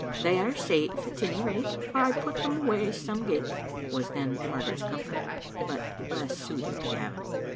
" They are safe, at any rate, for I put them away some gait," was then Magaret's comfort, but less soothing to Gavin.